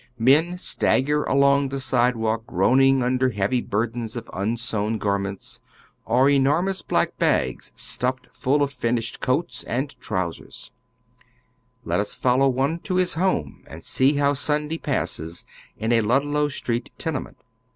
Men staler along the sidewalk groaning under heavy burdens of un sewn garments, or enormous black bags stuffed full of oy Google THE SWEATEES OF JEWTOWN. 125 finiehed coats and trousers. Let ns follow one to his home and see how Sunday passes in a Ludlow Street tenement.